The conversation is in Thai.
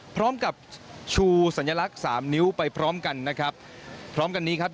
พร้อมกับชูสัญลักษณ์สามนิ้วไปพร้อมกันนะครับพร้อมกันนี้ครับ